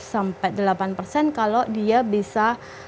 sampai delapan persen kalau dia bisa